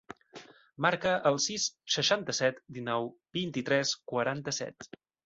Marca el sis, seixanta-set, dinou, vint-i-tres, quaranta-set.